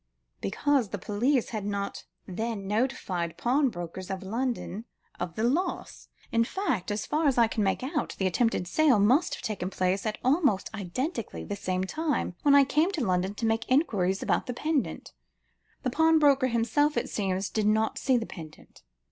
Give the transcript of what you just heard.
"Because the police had not then notified the pawnbrokers of London of the loss. In fact, as far as I can make out, the attempted sale must have taken place at almost identically the same time when I came to London to make enquiries about the pendant. The pawnbroker himself, it seems, did not see the pendant.